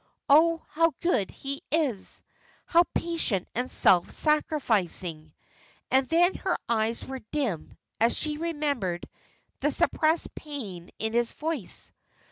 Oh, how good he is! how patient and self sacrificing!" And then her eyes were dim as she remembered the suppressed pain in his voice.